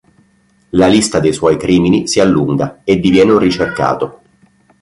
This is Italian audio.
La lista dei suoi crimini si allunga e diviene un ricercato.